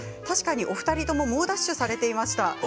確かにを２人とも猛ダッシュされていました。